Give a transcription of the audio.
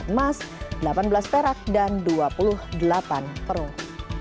dua puluh empat emas delapan belas perak dan dua puluh delapan perung